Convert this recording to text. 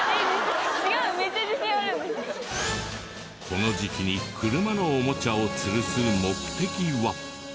この時期に車のおもちゃをつるす目的は。